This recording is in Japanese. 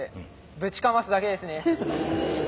ぶちかますだけですね。